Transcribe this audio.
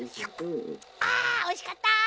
あおいしかった！